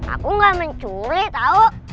aku gak mencuri tau